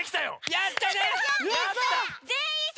やったね！